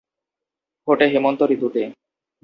ফোটে হেমন্ত ঋতুতে।